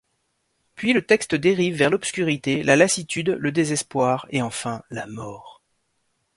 Puis le texte dérive vers l’obscurité, la lassitude, le désespoir et, enfin, la mort.